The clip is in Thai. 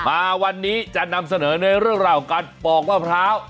มาวันนี้จะนำเสนอในเรื่องราวของการปอกมะพร้าว